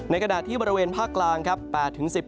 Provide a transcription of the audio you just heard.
ในกระดาษที่บริเวณภาคกลางครับ